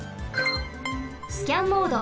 スキャンモード。